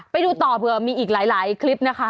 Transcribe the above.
ไปดูต่อเผื่อมีอีกหลายคลิปนะคะ